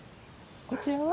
こちらは？